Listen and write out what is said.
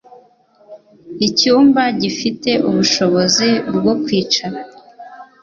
Icyumba gifite ubushobozi bwo kwicara .